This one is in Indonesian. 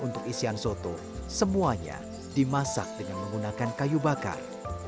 untuk isian soto semuanya dimasak dengan menggunakan kayu bakar